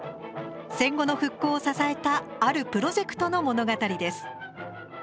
戦後の復興を支えたあるプロジェクトの物語です。